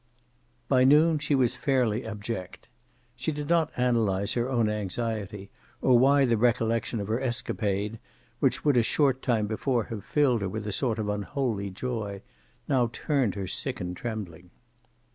By noon she was fairly abject. She did not analyze her own anxiety, or why the recollection of her escapade, which would a short time before have filled her with a sort of unholy joy, now turned her sick and trembling.